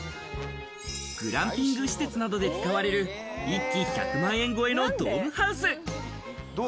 グランピング施設などで使われる１基１００万円超えのドームハウス。